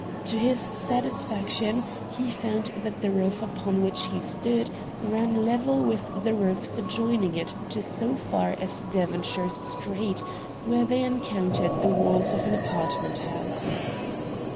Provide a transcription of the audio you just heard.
To his satisfaction, he found that the roof upon which he stood ran level with the roofs adjoining its to as far as Devonshire Street, where they encountered the wall of an apartment house.